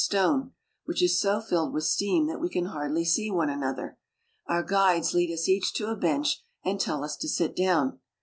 atone, which is so filled with steam that we can hardly see ^one another. Our guides lead us each to a bench and tell ,1is to sit down.